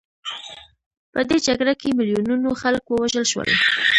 په دې جګړه کې میلیونونو خلک ووژل شول.